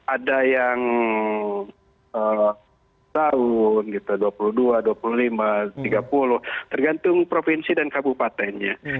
ada yang setahun gitu dua puluh dua dua puluh lima tiga puluh tergantung provinsi dan kabupatennya